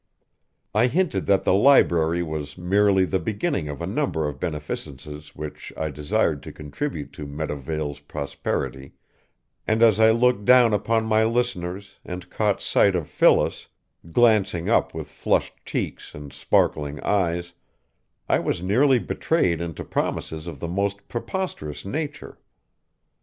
I hinted that the library was merely the beginning of a number of beneficences which I desired to contribute to Meadowvale's prosperity, and as I looked down upon my listeners and caught sight of Phyllis, glancing up with flushed cheeks and sparkling eyes, I was nearly betrayed into promises of the most preposterous nature.